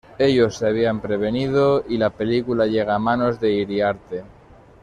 Ellos se habían prevenido y la película llega a manos de Iriarte.